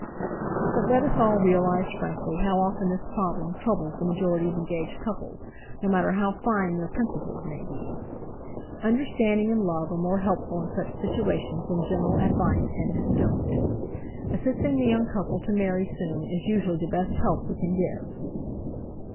But let us all realize frankly how often this problem troubles the majority of engaged couples no matter how fine their principles may be. Understanding and love are more helpful in such situations than general advice and "don't." Assisting the young couple to marry soon is usually the best help we can give.